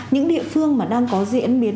những địa phương mà đang có diễn biến